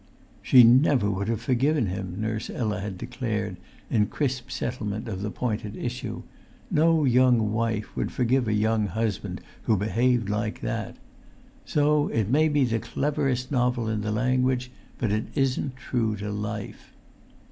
"She never would have forgiven him," Nurse Ella had declared, in crisp settlement of the point at issue. "No young wife would forgive a young husband who behaved like that. So it may be the cleverest novel in the language, but it isn't true to life."